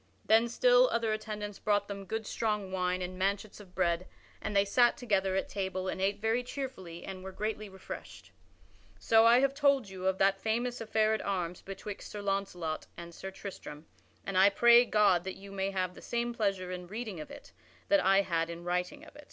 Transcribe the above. Then still other attendants brought them good strong wine and manchets of bread and they sat together at table and ate very cheerfully and were greatly refreshed. So I have told you of that famous affair at arms betwixt Sir Launcelot and Sir Tristram, and I pray God that you may have the same pleasure in reading of it that I had in writing of it.